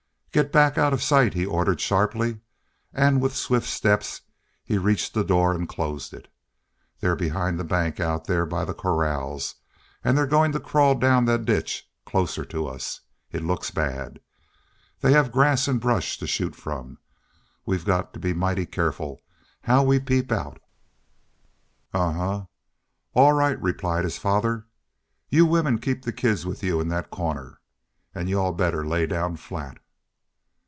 "Get back out of sight!" he ordered, sharply, and with swift steps he reached the door and closed it. "They're behind the bank out there by the corrals. An' they're goin' to crawl down the ditch closer to us.... It looks bad. They'll have grass an' brush to shoot from. We've got to be mighty careful how we peep out." "Ahuh! All right," replied his father. "You women keep the kids with you in that corner. An' you all better lay down flat."